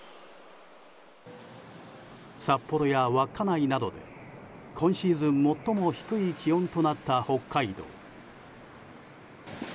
札幌や稚内などで今シーズン最も低い気温となった、北海道。